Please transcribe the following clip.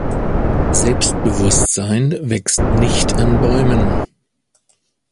Selbstbewusstsein wächst nicht an Bäumen.